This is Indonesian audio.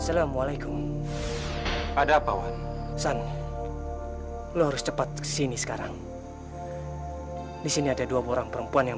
assalamualaikum ada apa wan san lu harus cepat kesini sekarang di sini ada dua orang perempuan yang